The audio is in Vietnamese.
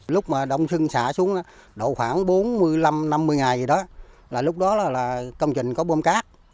lúc mà đông xuân xả xuống độ khoảng bốn mươi năm năm mươi ngày lúc đó là công trình có bơm cắt